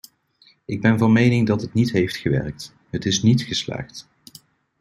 Ik ben van mening dat het niet heeft gewerkt; het is niet geslaagd.